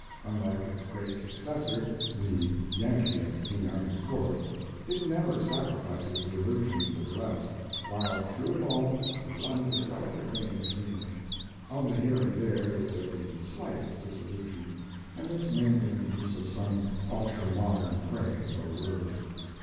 Unlike its great successor, the 'Yankee at King Arthur's Court', it never sacrifices the illusion to the burlesque, while through it all there runs a delicate vein of humor. Only here and there is there the slightest disillusion, and this mainly in the use of some ultra modern phrase or word.